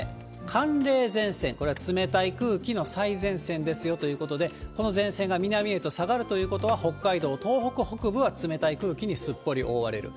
寒冷前線、これは冷たい空気の最前線ですよということで、この前線が南へと下がるということは、北海道、東北北部は冷たい空気にすっぽり覆われる。